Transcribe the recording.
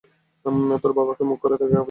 তোর বাবাকে মুখ কি করে দেখাবি?